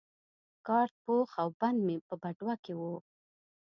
کارت پوښ او بند مې په بټوه کې وو.